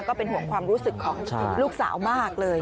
ก็เป็นห่วงความรู้สึกของลูกสาวมากเลย